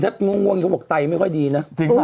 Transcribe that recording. ถ้าง่วงเขาบอกไตไม่ค่อยดีนะ